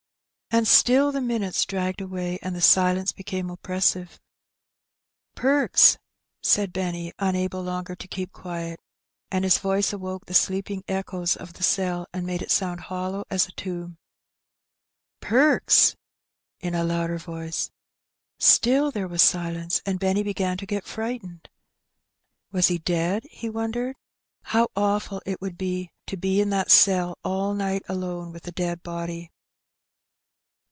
And still the minutes dragged away^ and the silence became oppressive. ''Perks!*' said Benny, unable longer to keep quiet; and his voice awoke the sleeping echoes of the cell, and made it sound hollow as a tomb. But the echoes were his only answer. ''Perks!'' in a louder voice. Still there was silence, and Benny began to get fright ened. Was he dead? he wondered. How awful it would be to be in that cell all night alone with a dead body!